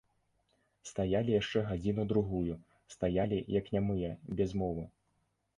Стаялі яшчэ гадзіну-другую, стаялі, як нямыя, без мовы.